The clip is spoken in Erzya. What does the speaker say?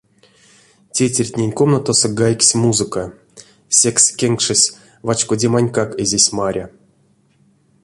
Тейтертнень комнатасо гайгсь музыка, секс кенкшес вачкодемантькак эзизь маря.